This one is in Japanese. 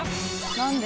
何で？